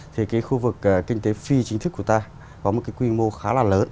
thì cái khu vực kinh tế phi chính thức của ta có một cái quy mô khá là lớn